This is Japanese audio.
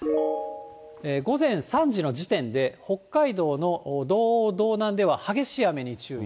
午前３時の時点で、北海道の道央、道南では激しい雨に注意。